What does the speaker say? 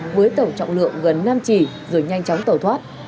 với tổng trọng lượng gần năm chỉ rồi nhanh chóng tẩu thoát